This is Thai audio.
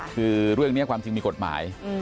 คือเรื่องนี้ความจริงมีกฎหมาย